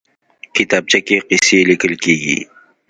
کتابچه کې قصې لیکل کېږي